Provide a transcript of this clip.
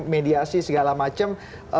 mediasi segala macam